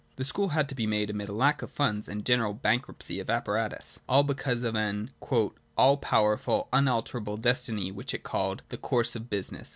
The school had to be made amid much lack of funds and general bankruptcy of apparatus: — all because of an 'all powerful and unalterable destiny which is called the course of business.'